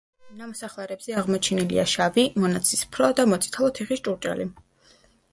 ნამოსახლარებზე აღმოჩენილია შავი, მონაცისფრო და მოწითალო თიხის ჭურჭელი.